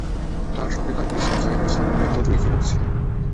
তাঁর সঙ্গে তারিকুল ইসলাম, জাহিদুল ইসলাম নামের আরও দুই যুবক ছিলেন।